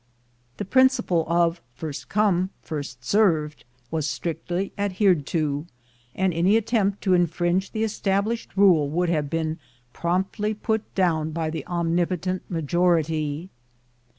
The prin ciple of "first come first served" was strictly adhered to, and any attempt to infringe the established rule would have been promptly put down by the omnip otent majority.